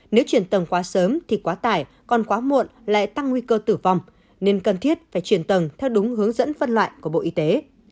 nếu chuyển tầng quá sớm thì quá tải còn quá muộn lại tăng nguy cơ tử vong nên cần thiết phải chuyển tầng theo đúng hướng dẫn phân loại của bộ y tế